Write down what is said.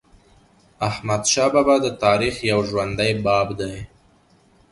احمدشاه بابا د تاریخ یو ژوندی باب دی.